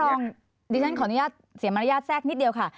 ท่านบรองดิฉันขออนุญาตเสียมารยาทแซ่กนิดเดียวค่ะ